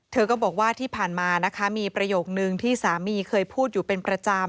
เธอก็บอกว่าที่ผ่านมานะคะมีประโยคนึงที่สามีเคยพูดอยู่เป็นประจำ